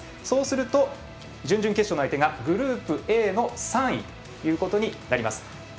そうすると、準々決勝の相手がグループＡの３位ということになります。